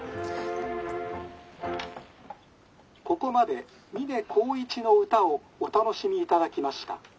「ここまで三根耕一の歌をお楽しみいただきました」。